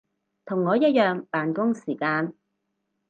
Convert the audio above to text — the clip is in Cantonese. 同我一樣扮工時間